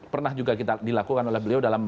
pernah juga kita dilakukan oleh beliau dalam